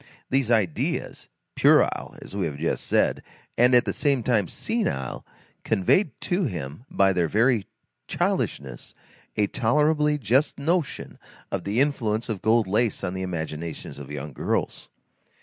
These ideas, puerile, as we have just said, and at the same time senile, conveyed to him, by their very childishness, a tolerably just notion of the influence of gold lace on the imaginations of young girls.